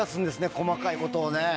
細かいことをね。